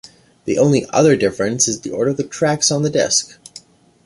The only other difference is the order of the tracks on the disc.